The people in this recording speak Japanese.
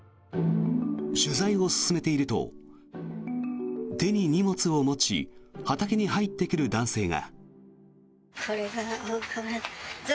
取材を進めていると手に荷物を持ち畑に入ってくる男性が。